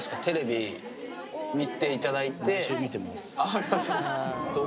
ありがとうございますどう？